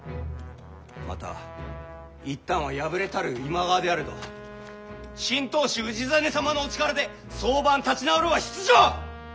また一旦は敗れたる今川であれど新当主氏真様のお力で早晩立ち直るは必定！